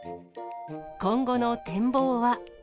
今後の展望は。